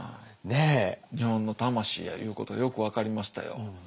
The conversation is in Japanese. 日本の魂やいうことがよく分かりましたよ。